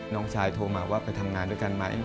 น้องชายโทรมาว่าไปทำงานด้วยกันไหม